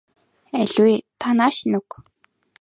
Аль вэ та нааш нь өг.